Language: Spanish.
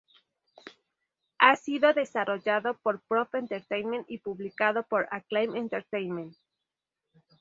Ha sido desarrollado por Probe Entertainment y publicado por Acclaim Entertainment.